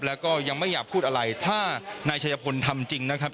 แล้วก็ยังไม่อยากพูดอะไรถ้านายชัยพลทำจริงนะครับ